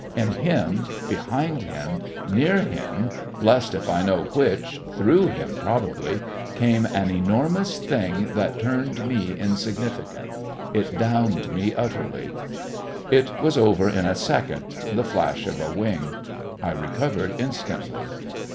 In him, behind him, near him blest if I know which, through him probably came an enormous thing that turned me insignificant. It downed me utterly. It was over in a second, the flash of a wing. I recovered instantly.